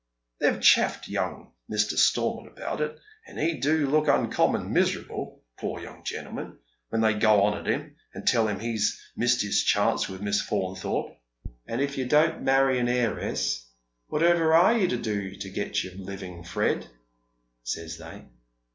They've chaffed young Mr. Stormont about it, and he do look uncommon miserable, poor young gentleman, when they go on at him, and tell him he's missed his chance with Miss Faunthorpe. ' And if you don't marry an heiress, whatever are you to do to get your living, Fred ?' says they.